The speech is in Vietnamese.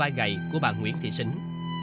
vài gầy của bà nguyễn thị xính